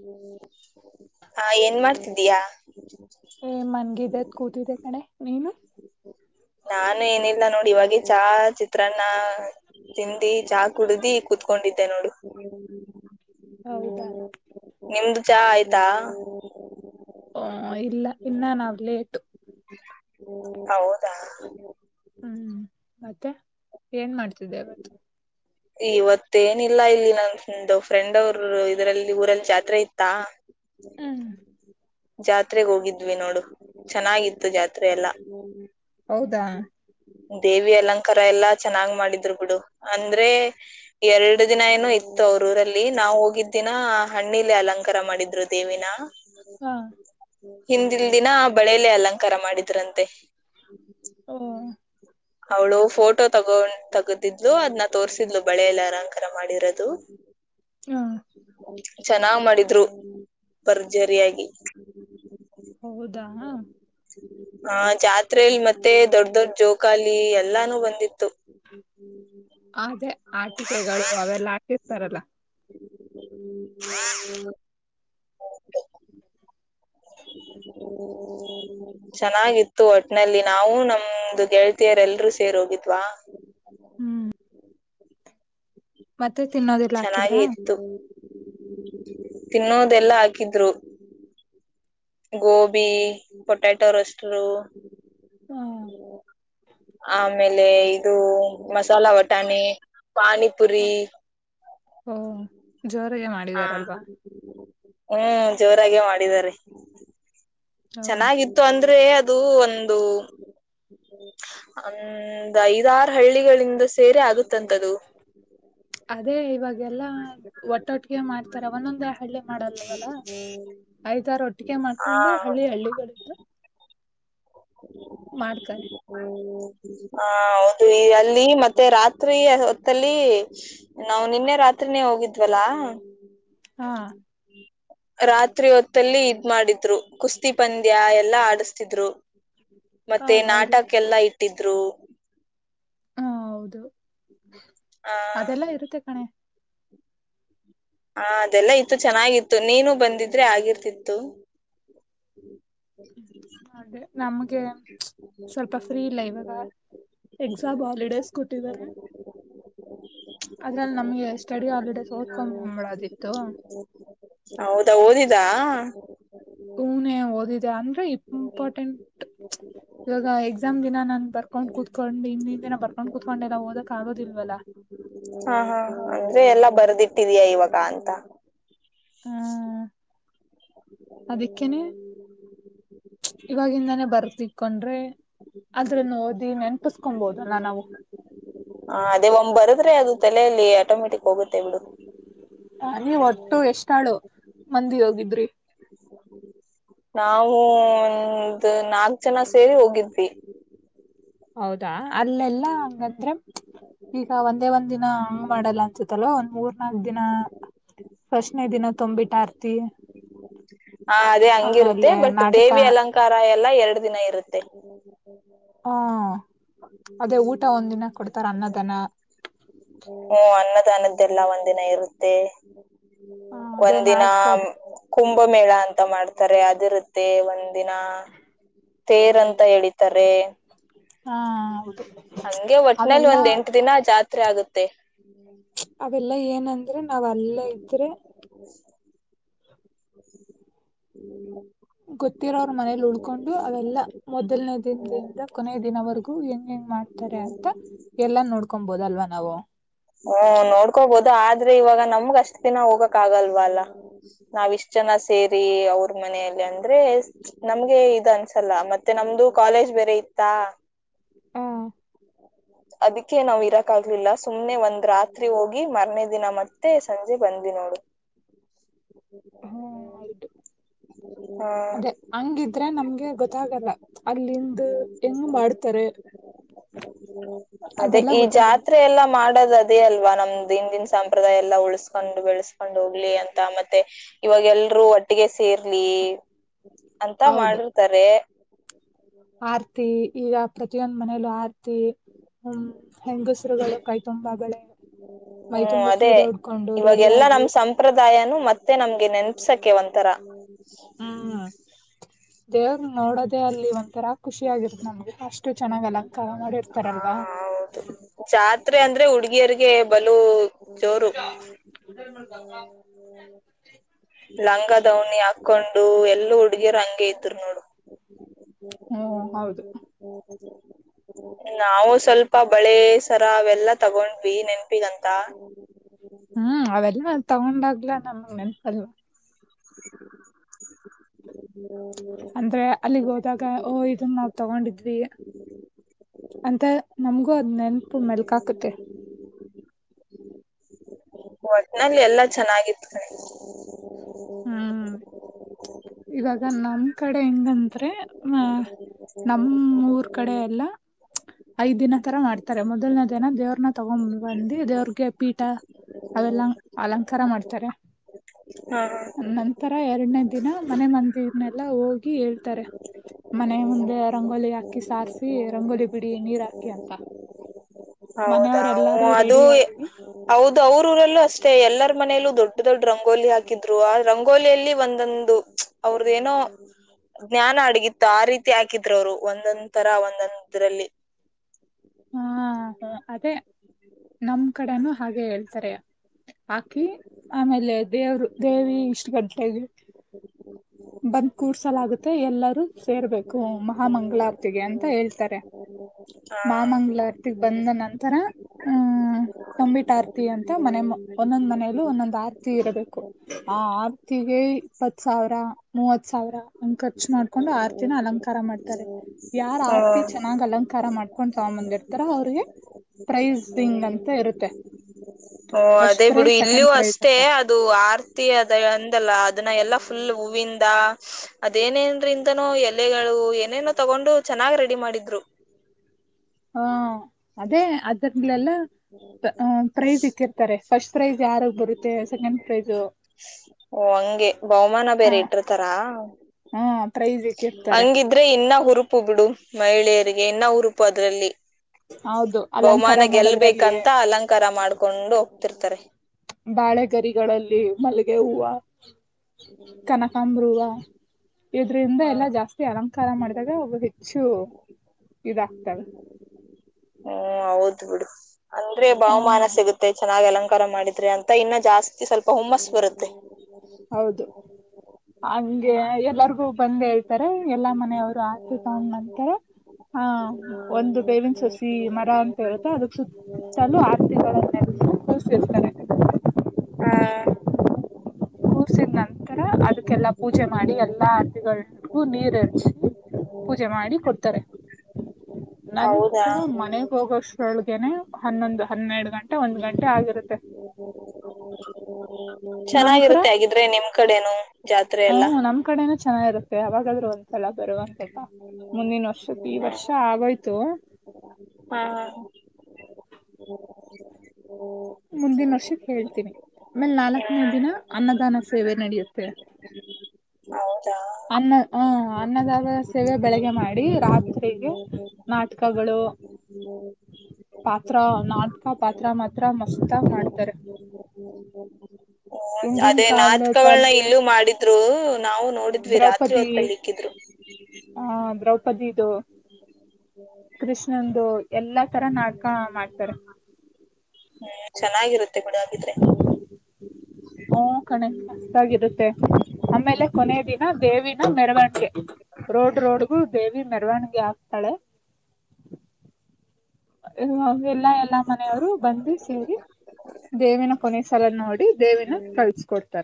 ಹ್ಮ್ [unintelligible] ಹ ಏನ್ ಮಾಡ್ತಿದ್ದೀಯಾ ಏ ಮನ್ಗಿದ್ದೆ ಕೂತಿದ್ದೆ ಕಣೆ ನೀನು ನಾನು ಏನಿಲ್ಲ ನೋಡಿ ಇವಾಗ ಚಾ ಚಿತ್ರಾನ್ನ ತಿಂದಜಾ ಕುಡ್ದಿ ಕುೂತ್ಕೊಂಡಿದ್ದೆ ನೋಡು ಹ್ಮ ಹೌದಾ ನಿಮ್ದು ಚಾ ಆಯ್ತಾ ಹ ಇಲ್ಲ ಇನ್ನ ನಾವ್ ಲೇಟು ಹೌದಾ ಹ್ಮ್ ಮತ್ತೆ ಏನ್ ಮಾಡ್ತಿದ್ದೆ ಇವತ್ತು ಇವತ್ತ ಏನಿಲ್ಲ ಇಲ್ಲಿ ನನ್ ಫ್ರೆಂಡ್ ಅವರು ಇದರಲ್ಲಿ ಊರಲ್ಲಿ ಜಾತ್ರೆ ಇತ್ತಾ ಹ್ಮ್ ಜಾತ್ರೆಗ್ ಹೋಗಿದ್ವಿ ನೋಡು ಚೆನ್ನಾಗಿತ್ತು ಜಾತ್ರೆ ಎಲ್ಲಾ ಹೌದಾ ದೇವಿ ಅಲಂಕಾರ ಎಲ್ಲಾ ಚೆನ್ನಾಗ್ ಮಾಡಿದ್ರು ಬಿಡು ಅಂದ್ರೆ ಎರಡು ದಿನ ಏನೋ ಇತ್ತು ಅವ್ರ ಊರಲ್ಲಿ ನಾವು ಹೋಗಿದ್ದ ದಿನ ಹಣ್ಣಿಲಿ ಅಲಂಕಾರ ಮಾಡ ಮಾಡಿದ್ರು ದೇವಿನ ಹಾ ಹಿಂದಿಲ್ ದಿನ ಬಳೇಲೆ ಅಲಂಕಾರ ಮಾಡಿದ್ರಂತೆ ಹಓ ಅವಳು ಫೋಟೋ ತಗೊಂಡ ತಗದಿದ್ಲು ಅದ್ನ್ನ ತೋರ್ಸಿದ್ಲು ಬಳೆಲ್ಲ ಅರಂಕಾರ ಮಾಡಿರೋದು ಹಾ ಚೆನ್ನಾಗ್ ಮಾಡಿದ್ರು ಭರ್ಜರಿಯಾಗಿ ಹೌದಾ ಹ ಜಾತ್ರೆಯಲ್ಲಿ ಮತ್ತೆ ದೊಡ್ ದೊಡ್ಡ ಜೋಕಾಲಿ ಎಲ್ಲಾನು ಬಂದಿತ್ತು ಹ್ಮ್ ಹ್ಮ್ ಅದೇ ಆಟಿಕೆಗಳು ಅವೆಲ್ಲಾ ಹಾಕಿರ್ತಾರಲ್ಲ ಹ್ಮ ಹ್ಮ [inaudible] ಚೆನ್ನಾಗಿತ್ತು ಒಟ್ನಲ್ಲಿ ನಾವೂ ನಮ್ದು ಗೆಳತಿಯರ್ ಎಲ್ರು ಸೇರ್ ಹೋಗಿದ್ವಾ ಹ್ಮ್ ಮತ್ತೆ ತಿನ್ನೋದೆಲ್ಲ ಚೆನ್ನಾಗೆ ಹಾಕಿದ್ರಾ ಇತ್ತು ತಿನ್ನೋದೆಲ್ಲ ಹಾಕಿದ್ರು ಗೋಬಿ ಪೊಟ್ಯಾಟೊ ಟ್ರೋಸ್ಟರ್ ಹ ಆಮೇಲೆ ಇದು ಮಸಾಲಾ ಬಟಾಣಿ ಪಾನಿಪುರಿ ಓ ಜೋರಾಗೆ ಹಾ ಮಾಡಿದಾರಲ್ವಾ ಹ್ಮ್ ಜೋರಾಗೇ ಮಾಡಿದಿದ್ದಾರೆ ಹೌದು ಚೆನ್ನಾಗಿತ್ತು ಅಂದ್ರೆ ಅದು ಅದು ಒಂದು ಅಂದ್ ಐದಾರ ಹಳ್ಳಿಗಳಿಂದ ಸೇರಿ ಆಗುತ್ತ ಆಗುತ್ತಂತೆ ಅದು ಹಾಗೆಲ್ಲಾ ಒಟ್ಟೊಟ್ಟಿಗೆ ಮಾಡ್ತಾರ ಒಂದೊಂದೇ ಹಳ್ಳಿ ಮಾಡಲ್ಲವಲ್ಲ ಐದಾರು ಒಟ್ಟಿಗೆ ಮಾಡ್ಕೊಂಡು ಹಳ್ಳಿ ಹಳ್ಳಿಗಳಿದ್ದ ಮಾಡ್ತಾರೆ ಮ [inaudible] ಹ ಹೌದು ಈ ಅಲ್ಲಿ ಮತ್ತೆ ರಾತ್ರಿ ಹೊತ್ತಲ್ಲಿ ನಾವು ನಿನ್ನೆ ರಾತ್ರಿ ಹೋಗಿದ್ವಲ್ಲಾ ಹಾ ರಾತ್ರಿ ಹೊತ್ತಲ್ಲಿ ಇದ್ ಮಾಡಿದ್ರು ಕುಸ್ತಿ ಪಂದ್ಯ ಎಲ್ಲಾ ಆಡಸ್ತಿದ್ರು ಹ ಮತ್ತೆ ಹೌದು ನಾಟಕ್ಕೆಲ್ಲ ಇಟ್ಟಿದ್ರು ಹ ಹೌದು ಆ ಅದೆಲ್ಲ ಇರುತ್ತೆ ಕಣೆ ಹಾ ಅದೆಲ್ಲ ಇತ್ತು ಚೆನ್ನಾಗಿತ್ತು ನೀನು ಬಂದಿದ್ರೆ ಆಗಿರ್ತಿತ್ತು ಹ್ಮ ಅದೆ ನಮ್ಗೆ ಸ್ವಲ್ಪ ಫ್ರೀ ಇಲ್ಲ ಇವಾಗ ಎಕ್ಸಾಮ್ ಹಾಲಿಡೇಸ್ ಕೊಟ್ಟಿದ್ದಾರೆ ಅದ್ರಲ್ಲಿ ನಮ್ಗೆ ಸ್ಟಡಿ ಹಾಲಿಡೇಸ್ ಓದಕೊಂಬಳದಿತ್ತು ಹೌದಾ ಓದಿದಾ ಊ ನೀ ಓದಿದೆ ಅಂದ್ರೆ ಇಂಪಾರ್ಟೆಂಟ್ ಇವಾಗ ಎಕ್ಸಾಮ್ ದಿನ ನಾನ್ ಬರ್ಕೊಂಡ್ ಕುೂತ್ಕೊಂಡ್ ಇಂದಿನ ದಿನ ಬರ್ಕೊಂಡ್ ಕುೂತ್ಕೊಂಡೆ ಎಲ್ಲಾ ಓದಕ್ ಆಗೋದಿಲ್ವಲ್ಲ ಹಾ ಹಾ ಅಂದ್ರೆ ಎಲ್ಲಾ ಬರ್ದಿಟ್ಟಿದಯ ಇವಾಗ ಅಂತ [inaudible] ಅದಕ್ಕನೆ ಇವಾಗಿವಾಗಿಂದಾನೇ ಬರೆದು ಇಟ್ಟ್ಕೊಂಡ್ರೆ ನಾವು ಹ ಅದೇ ಒಮ್ಮೆ ಬರದ್ರೆ ಅದು ತಲೆಯಲ್ಲಿ ಆಟೋಮೆಟಿಕ್ ಹೋಗುತ್ತೆ ಬಿಡು ನೀವ್ ಒಟ್ಟು ಎಷ್ಟಾಳು ಮಂದಿ ಹೋಗಿದ್ರಿ ನಾವು ಒಂದು ನಾಕ್ ಜನ ಸೇರಿ ಹೋಗಿದ್ವಿ ಹೌದಾ ಅಲ್ಲೆಲ್ಲ ಹಂಗಂದ್ರೆ ಈಗ ಒಂದೇ ಒಂದ ದಿನ ಹಂಗ ಮಾಡಲ್ಲ ಅನ್ಸುತ್ತಲ್ಲವ ಮೂರ್ನಾಲ್ ದಿನ ಫಸ್ನೇ ದಿನ ತೊಂಬಬಿಟ್ಟ ಆರ್ತಿ ಹ ಅದೇ ಹಂಗಿರುತ್ತೆ ಆಮೇಲೆ ಬಟ್ ನಾಟಕ ದೇವಿ ಅಲಂಕಾರ ಎಲ್ಲಾ ಎರಡು ದಿನ ಇರುತ್ತೆ ಹ್ಮ ಅದೇ ಊಟ ಒಂದಿನ ಕೊಡ್ತಾರ ಅನ್ನದಾನ ಹ ಅ ನದ್ದೆಲ್ಲ ಒಂದಿನ ಇರುತ್ತೆ ಹ ಅದೇ ಒಂದಿನ ನಾಟಕದ ಕುಂಭಮೇಳ ಅಂತ ಮಾಡ್ತಾರೆ ಅದಿರುತ್ತೆ ಒಂದ ದಿನ ತೇರ್ ಅಂತ ಹೇಳಿತಾರೆ ಹಾ ಹೌದು ಹಂಗೆ ಒಟ್ಟನಲ್ಲಿ ಅವೆಲ್ಲಾ ಒಂದ್ ಎಂಟ ದಿನ ಆ ಜಾತ್ರೆ ಆಗುತ್ತೆ ಅವೆಲ್ಲ ಏನಂದ್ರೆ ನಾವ್ ಅಲ್ಲ ಇದ್ರೆ [inaudible] ಗೊತ್ತಿರೋ ಅವ್ರ ಮನೇಲಿ ಉಳ್ಕೊಂಡು ಅವೆಲ್ಲಾ ಮೊದಲನೇ ದಿನದಿಂದ ಕೊನೆಯ ದಿನವರೆಗೂ ಹೆಂ [inaudible] ಎಲ್ಲ ನೋಡ್ಕೊಬೋದ್ ಅಲ್ವಾ ನಾವು. ನಮ್ಗ ಅಷ್ಟ್ ದಿನ ಹೋಗಕ್ ಆಗಲ್ವ ಅಲ್ಲ ನಾವ್ ಇಷ್ಟ್ ಜನ ಸೇರಿ ಅವ್ರ ಮನೆಯಲ್ಲಿ ಅಂದ್ರೆ. ನಮ್ಗೆ ಇದು ಅನ್ಸಲ್ಲ ಮತ್ತೆ ನಮ್ದು ಕಾಲೇಜ್ ಬೇರೆ ಇತ್ತಾ. ಹ್ಮ್ ಅದಕ್ಕೆೇ ನಾವ್ ಇರಕ್ ಆಗಲಿಲ್ಲ ಸುಮ್ನೆ ಒಂದ್ ರಾತ್ರಿ ಹೋಗಿ ಮರನೇ ದಿನ ಮತ್ತೆ. ಸಂಜೆ ಬಂದ್ವಿ ನೋಡು. ಹಾ ಆಯ್ತು ಹಾ ಅದೇ ಹಂಗಿದ್ರೆ ನಮ್ಗೆ ಗೊತ್ತಾಗಲ್ಲ ಅಲ್ಲಿಂದ್ ಹೆಂಗ್ ಮಾಡ್ತಾರೆ. ಅದೇ ಅದೆಲ್ಲ ಈ ಗೊತ್ತಾಗಲ್ಲ ಜಾತ್ರೆ ಎಲ್ಲ ಮಾಡ್ ಅದೇ ಅಲ್ವಾ ನಮ್ದ ಹಿಂದಿನ ಸಂಪ್ರದಾಯ ಎಲ್ಲಾ ಉಳಸ್ಕೊಂಡ್ ಬೆಳೆಸ್ಕೊಂಡ್ ಹೋಗ್ಲಿ ಅಂತ ಮತ್ತೆ ಇವ ಅವಾಗ ಎಲ್ರೂ ಒಟ್ಟಿಗೆ ಸೇರ್ಲಿ ಅಂತ ಹೌದು ಮಾಡಿರ್ತಾರೆ. ಆರ್ತಿ ಈಗ ಪ್ರತಿಯೊಂದ್ ಮನೇಲ್ಲೂ ಆರ್ತಿ. ಹ್ಮ್ ಹೆಂಗಸರುಗಳ ಕೈ ತುಂಬಾ ಬಳೆ. ಮೈ ಹ್ಮ್ ತುಂಬಾ ಅದೇ ಸೀರೆ ಉಡ್ಕೊಂಡು ಇವಾಗೆಲ್ಲಾ ರೆಡಿಯಾಗಿ ನಮ್ಮ್ ಸಂಪ್ರದಾಯನು ಮತ್ತೆ ನಮ್ಗೆ ನೆನ್. ಪ್ಸಕೆ ಒಂಥರ ದೇವರ್ ನೋಡೋದೆೇ ಅಲ್ಲಿ ಒಂಥರ ಖುಷಿ ಆಗಿರ್ದು ನಮ್ಗೆ ಅಷ್ಟು ಚೆನ್ನಾಗ್ ಅಲಂಕಾರ ಹ ಮಾಡಿರ್ತಾರಲ್ವಾ. ಹೌದು ಜಾತ್ರೆ ಅಂದ್ರೆ ಹುಡುಗಿಯರ್ರಿಗೆ ಬಲು ಜೋರು. ಲಂಗದವಣಿ ಹಾಕ್ಕೊಂಡು ಎಲ್ಲ ಹುಡುಗಿರ್ ಹಂಗೆ ಇದ್ರು ನೋಡು. ಹ್ಮ್ ಹೌದು [inaudible] ನಾವು ಸ್ವಲ್ಪ ಬಳೆ ಸರ ಅವೆಲ್ಲಾ ತಗೊಂಡ್ವಿ ನೆನ್ಪಿಗಂತ. ಹ್ಮ್ ಅವೆಲ್ಲ ತಗೊಂಡಾಗ್ಲ ನಮಗ್ ನೆನಪಲ್ [inaudible] ಅಂದ್ರೆ ಅಲ್ಲಿಗ್ ಹೋದಾಗ ಓ ಇದನ್ನ. ತಗೊಂಡಿದ್ವಿ ಅಂತ ನಮಗೂ ಅದ್ ನೆನಪು ಮೆಲ್ಕಾಕುತ್ತೆ. ಒಟ್ನಲ್ಲಿ ಎಲ್ಲಾ ಚೆನ್ನಾಗಿತ್ತು ಕಣೆ. ಹ್ಮ್ ಇವಾಗ ನಮ್ ಕಡೆ ಹೆಂಗಂದ್ರೆ ಅ ನಮ್ಮೂಊರ್. ಕಡೆ ಎಲ್ಲ ಐದ್ ದಿನ ತರ ಮಾಡ್ತಾರೆ ಮೊದಲನೇ ದನ ದೇವ್ರನ್ನ ತಗೊಂಡ್ ಬಂದಿ ದೇವ್ರಗೆ ಪೀಠ. ಅವೆಲ್ಲ ಅಲಂಕಾರ ಮಾಡ್ತಾರೆ. ಹಾ ತರ ಎರಡನೇ ದಿನ ಮನೆ ಮಂದಿರ್ನೆಲ್ಲಾ ಹೋಗಿ ಹೇಳ್ತಾರೆ. ಮನೆ ಮುಂದೆ ರಂಗೋಲಿ ಹಾಕಿ ಸಾರಸಿ ರಂಗೋಲಿ ಬಿಡಿ ನೀರ್ ಹಾಕಿ ಅಂತ. ಹೌದಾ ಮನೆಯವರೆಲ್ಲಾರು ಅದು ರೆಡಿ ಆಗಿ ಹೌದು ಅವ್ರ ಊರಲ್ಲೂ ಅಷ್ಟೇ ಮತ್ತೆ ಎಲ್ಲರ ಮನೆಯಲ್ಲೂ ದೊಡ್ಡ ದೊಡ್ಡ ರಂಗೋಲಿ ಹಾಕಿದ್ರು ಆ ರಂಗೋಲಿಯಲ್ಲಿ ಒಂದೊಂದು ಅವ್ರದ ಏನೋ. ಜ್ಞಾನ ಅಡಗಿ ತ್ ಆ ರೀತಿ ಹಾಕಿದ್ರು ಅವರು ಒಂದೊಂದ್ ತರ ಒಂದೊಂದ್ರಲ್ಲಿ. ಹಾ ಅದೇ [inaudible] ನಮ್ ಕಡೆನೂ ಹಾಗೆ ಹೇಳ್ತಾರೆ ಹಾಕಿ ಆಮೇಲೆ. ದೇವರು ದೇವಿ ಇಷ್ಟು ಗಂಟೆ ಆಗಿರುತ್ತೆ. ಬಂದ್ ಕೂರ್ಸಲಗುತ್ತೆ ಎಲ್ಲರೂ ಸೇರ್ಬೇಕು. [unintelligible] ಮಹ ಮಂಗಳಾರತಿಗೆ ಅಂತ ಹೇಳ್ತಾರೆ. ಹ ಮಾಮಂಗಳಾರತಿ ಬಂದ ನಂತರ ಹ್ಮ್. ಹ ತಂಬಿಟ್ ಆರ್ತಿ ಅಂತ ಮನೆ ಒಂದೊಂದ್ ಮನೇಲ್ಲ ಒಂದೊಂದ್ ಆರ್ತಿ ಇರಬೇಕು. ಆ ಆರ್ತಿಗೆ ಇಪ್ಪತ್ ಸಾವಿರ ಮೂವತ್ ಸಾವಿರ. ಹ ಖರ್ಚು ಮಾಡ್ಕೊಂಡು ಆರತಿನ ಅಲಂಕಾರ ಮಾಡ್ತಾರೆ ಯಾರ ಹ್ಮ ಆರತಿ ಚೆನ್ನಾಗ್ ಅಲಂಕಾರ ಮಾಡ್ಕೊಂಡ ಸಾಮ ಬಂದ ಇರ್ತಾರಾ ಅವ್ರಿಗೆ ಪ್ರೈಸ್ ಹಿಂಗ್ ಅಂತ ಇರುತ್ತೆ ಓ ಫಸ್ಟ್ ಅದೇ ಬಿಡು ಪ್ರೈಸ್ ಇಲ್ಲಿಯೂ ಸೆಕೆಂಡ್ ಪ್ರೈಸ್ ಅಷ್ಟೇ ಅಂತ ಅದು ಆಾರ್ತದ ಅಂದಲ್ಲ ಅದನ್ನ ಎಲ್ಲಾ ಫುಲ್ ಹೂವಿಂದ ಅದೇನೇನ್ದನೋ ಎಲೆಗಳು ಏನೇನೋ ತಗೊಂಡು ಚೆನ್ನಾಗ್ ರೆಡಿ ಮಾಡಿದ್ರು ಅದ್ರಲೆಲ್ಲ ಪ್ರೈಸ್ ಇಟ್ಟಿರ್ತಾರೆ ಫಸ್ಟ್ ಪ್ರೈಜ್ ಯಾರಾಗ ಬರುತ್ತೆ ಸೆಕೆಂಡ್ ಪ್ರೈಜ ಓ ಹಂಗೆ ಬಹುಮಾನ ಹ ಬೇರೆ ಇಟ್ಟಿರ್ತಾರಾ ಹಾ ಪ್ರೈಸ್ ಇಟ್ಟಿರ್ತಾರೆ ಹಂಗಿದ್ರೆ ಇನ್ನ ಹುರುಪು ಬಿಡು ಮಹಿಳೆಯರಿಗೆ ಇನ್ನ ಹುರುಪು ಅದ್ರಲ್ಲಿ ಹೌದು ಅಲಂಕಾರ ಬಹುಮಾನ ಮಾಡೋದ್ರಲ್ಲಿ ಗೆಲ್ಬೇಕಂತ ಅಲಂಕಾರ ಮಾಡ್ಕೊಂಡು ಹೋಗ್ತಿರ್ತಾರೆ ಬಾಳೆಗರಿಗಳಲ್ಲಿ ಮಲ್ಗೆ ಹೂವು ಕನಕಾಂಬ್ರ ಹೂ ಇದ್ರಂದ ಎಲ್ಲಾ ಜಾಸ್ತಿ ಅಲಂಕಾರ ಮಾಡಿದಾಗ ಅವವು ಹೆಚ್ಚು ಇದು ಆಗ್ತವೆ ಹ್ಮ್ ಹೌದ್ ಬಿಡು ಅಂದ್ರೆ ಹ ಬಹುಮಾನ ಸಿಗುತ್ತೆ ಚೆನ್ನಾಗಿ್ ಅಲಂಕಾರ ಮಾಡಿದ್ರೆ ಅಂತ ಇನ್ನ ಜಾಸ್ತಿ ಜಾಸ್ತಿ ಸ್ವಲ್ಪ ಹುಮ್ಮಸ್ ಬರುತ್ತೆ ಹೌದು ಹಂಗೆ ಎಲ್ಲರಿಗೂ ಬಂದ ಹೇಳ್ತಾರೆ ಎಲ್ಲಾ ಮನೆಯವರು ತಗೊಂಡ್ ನಂತ ಹ ಒಂದು ಬೇವಿನ ಸಸ್ ಮರ ಅಂತ ಇರುತ್ತೆ ಅದಕ್ಕೆ ಸುತ್ತಲು ಆಸ್ತಿಕನ್ನ ಯೂಚ್ತಾರೆ ಹಾ ಕರ್ಸಿದ ನಂತರ ಅದಕ್ಕೆಲ್ಲಾ ಪೂಜೆ ಮಾಡಿ ಎಲ್ಲಾ ಅರತಿಗಳಗೂ ನೀರ್ ಹಸಿ ಪೂಜೆ ಮಾಡಿ ಕೊಡ್ತಾರೆ ನನ ಹೌದಾ ತರ ಮನೆಗ್ ಹೋಗೋಷ್ಟು ಹೂಳ್ಗೆನೆ ಹನ್ನೊಂದು ಹನ್ನೆರಡು ಗಂಟೆ ಒಂದ್ ಗಂಟೆ ಆಗಿರುತ್ತೆ ನಂತರ ಚೆನ್ನಾಗಿರುತ್ತೆ ಹಾಗಗಿದ್ರೆ ನಿಮ್ ಕಡೆೇನು ಜಾತ್ರೆ ಎಲ್ಲಾ ಹ್ಮ್ ನಮ್ ಕಡೆನೂ ಚೆನ್ನಾಗಿರುತ್ತೆ ಯಾಗಾದ್ ಒಂದ್ಸಲ ಬರುವಂತಂತ ಮುಂದಿನ ವರ್ಷಕ್ಕೆ ಈ ಹ್ಮ್ ವರ್ಷ ಆಗೋಯ್ತು ಹ ಮುಂದಿನ ವರ್ಷಕ್ಕೆ ಹೇಳ್ತೀನಿ ಆಮೇಲ್ ನಾಲ್ಕನೇ ದಿನ ಅನ್ನದಾನ ಸೇವೆ ನಡೆಯುತ್ತೆ ಹೌದಾ ಅನ್ನ ಹ ಅನ್ನದಸ್ ಸೇವೆ ಬೆಳಗ್ಗೆ ಮಾಡಿ ರಾತ್ರಿಗೆ ನಾಟಕಗಳು ಹ ಪಾತ್ರ ನಾಟಕ ಪಾತ್ರ ಮಾತ್ರ ಮಸತ ಮಾಡ್ತಾರೆ ಹ್ಮ್ ಹಿಂದಿನ ಅದೇ ನಾಟಕ ಗಳ್ನ ಕಾಲದಲ್ಲಿ ಇಲ್ಲೂ ಮಾಡಿದ್ರು ನಾವು ನೋಡಿದ್ವಿ ರಾತ್ರಿ ದ್ರೌಪದಿ ಹೊತ್ತಲ್ಲಿ ಇಕ್ಕಿದ್ರು ಹ್ಮ್ ಹಾ ದ್ರೌಪದಿದು ಕೃಷ್ಣಂದು ಎಲ್ಲಾ ತರ ನಾಟಕ ಮಾಡ್ತಾರೆ ಹ್ಮ್ ಚೆನ್ನಾಗಿರುತ್ತೆ ಕುಡಿ ಹೋಗಿದ್ರೆ ಓ ಕಣೆ ಮಸ್ತ್ ಆಗಿರುತ್ತೆ ಆಮೇಲೆ ಕೊನೆ ದಿನ ದೇವಿನ ಮೆರವಣಿಗೆ ರೋಡ್ ರೋಡ್ಗ ದೇವಿ ಮೆರವಣಿಗೆ ಆಗ್ತಾಳೆ [inaudible] ಎಲ್ಲಾ ಎಲ್ಲಾ ಮನೆಯವರು ಬಂದು ಸೇರಿ ದೇವಿನ ಕೊನೆಯ ಸಲ ನೋಡಿ ದೇವಿನ ಕಳ್ಸ್ಕೊಡ್ತಾರೆ